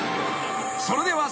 ［それでは］